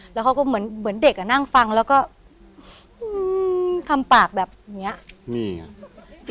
แล้วเขาก็เหมือนเหมือนเด็กอ่ะนั่งฟังแล้วก็คำปากแบบเนี้ยนี่ไง